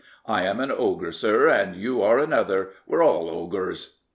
I am an ogre, sir, and you are another — we're all ogres."